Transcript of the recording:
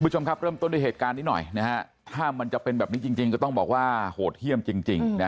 คุณผู้ชมครับเริ่มต้นด้วยเหตุการณ์นี้หน่อยนะฮะถ้ามันจะเป็นแบบนี้จริงก็ต้องบอกว่าโหดเยี่ยมจริง